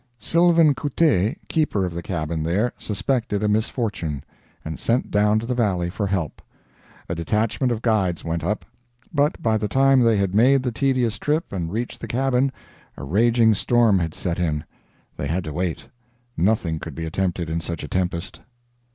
Sylvain Couttet, keeper of the cabin there, suspected a misfortune, and sent down to the valley for help. A detachment of guides went up, but by the time they had made the tedious trip and reached the cabin, a raging storm had set in. They had to wait; nothing could be attempted in such a tempest.